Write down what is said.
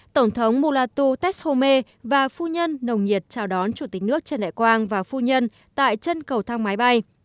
tổng thống mulatu tech home và phu nhân nồng nhiệt chào đón chủ tịch nước trần đại quang và phu nhân tại chân cầu thang máy bay